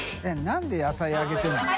なんで野菜あげてるの？